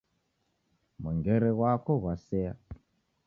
Mwengere ghwako ghwaseya